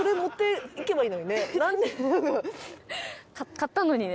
買ったのにね。